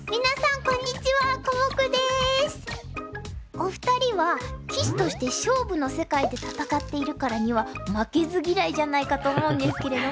お二人は棋士として勝負の世界で戦っているからには負けず嫌いじゃないかと思うんですけれども。